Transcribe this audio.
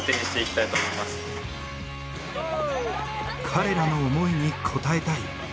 彼らの思いに応えたい。